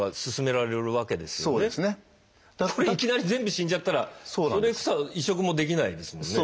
これいきなり全部死んじゃったら移植もできないですもんね？